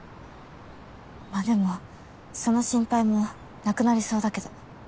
まぁでもその心配もなくなりそうだけど。